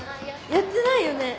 やってないよね。